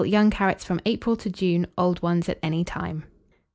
Young carrots from April to June, old ones at any time.